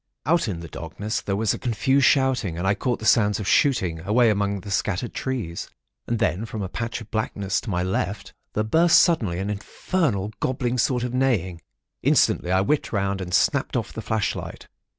"Out in the darkness there was a confused shouting, and I caught the sounds of shooting, away out among the scattered trees. And then, from a patch of blackness to my left, there burst suddenly an infernal gobbling sort of neighing. Instantly I whipped round and snapped off the flashlight.